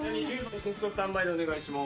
スタンバイでお願いします。